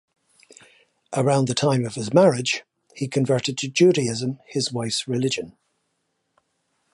Around the time of his marriage, he converted to Judaism, his wife's religion.